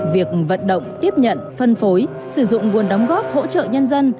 việc vận động tiếp nhận phân phối sử dụng nguồn đóng góp hỗ trợ nhân dân